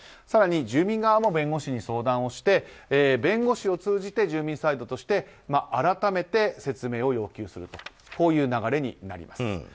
更に、住民側も弁護士に相談して弁護士を通じて住民サイドとして改めて説明を要求するという流れになります。